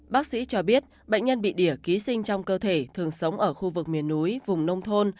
bác sĩ cho biết bệnh nhân bị đỉa ký sinh trong cơ thể thường sống ở khu vực miền núi vùng nông thôn